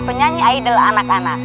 penyanyi idol anak anak